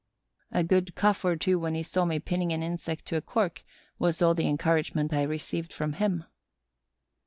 A good cuff or two when he saw me pinning an insect to a cork was all the encouragement I received from him.